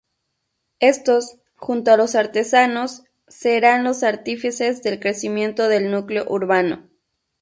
Éstos, junto a los artesanos, serán los artífices del crecimiento del núcleo urbano.